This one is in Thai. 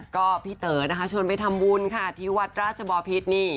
ก็พี่เต๋อนะคะชวนไปทำบุญค่ะที่วัดราชบอพิษนี่